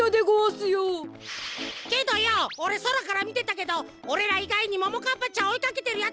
けどよオレそらからみてたけどオレらいがいにももかっぱちゃんをおいかけてるやつなんかいなかったぜ。